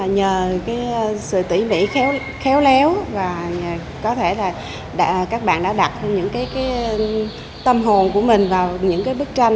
nhờ sự tỉ mỉ khéo léo và có thể là các bạn đã đặt những tâm hồn của mình vào những bức tranh